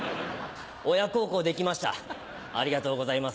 親孝行できましたありがとうございます。